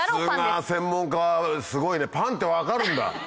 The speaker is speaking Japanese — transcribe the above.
さすが専門家はすごいねパンって分かるんだ。